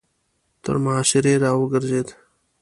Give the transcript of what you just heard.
تر محاصرې به را ګرځېده.